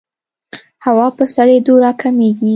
هوا په سړېدو راکمېږي.